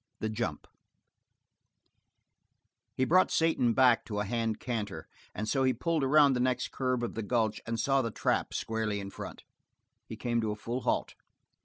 The Jump He brought Satan back to a hand canter, and so he pulled around the next curve of the gulch and saw the trap squarely in front. He came to a full halt.